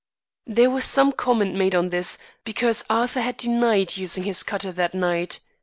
There was some comment made on this, because Arthur had denied using his cutter that night.